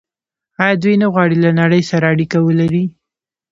آیا دوی نه غواړي له نړۍ سره اړیکه ولري؟